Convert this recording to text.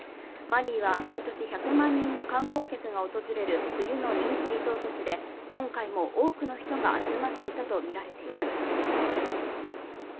マリーは毎年１００万人の観光客が訪れる冬の人気リゾート地で、今回も多くの人が集まっていたとみられています。